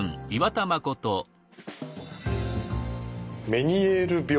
メニエール病。